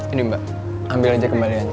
ini mbak ambil aja kembaliannya